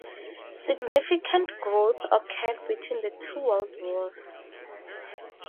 Significant growth occurred between the two world wars.